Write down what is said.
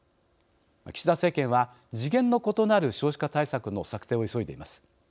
岸田政権は、次元の異なる少子化対策の策定を急いでいます。